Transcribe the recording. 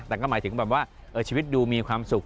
แต่ก็หมายถึงแบบว่าชีวิตดูมีความสุข